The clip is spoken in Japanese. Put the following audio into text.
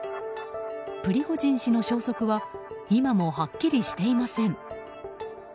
プリゴジン氏の消息は今もはっきりしていません。